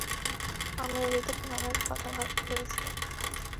আমি হৃতিক নামের কথা ভেবেছিলাম।